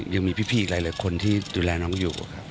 ยังมีพี่อีกหลายคนที่ดูแลน้องอยู่ครับ